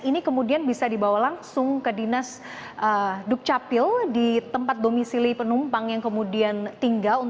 ini kemudian bisa dibawa langsung ke dinas dukcapil di tempat domisili penumpang yang kemudian tinggal